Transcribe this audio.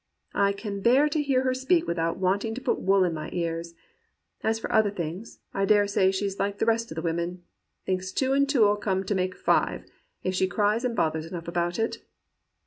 *I can bear to hear her speak without wanting to put wool in my ears. As for other things, I dare say she's like the rest o' the women — thinks two and two 'ull come to make five, if she cries and bothers enough about it.'